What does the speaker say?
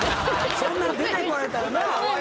そんな出てこられたらなあ？